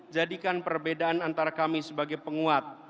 jadikan perbedaan antara kami sebagai penguat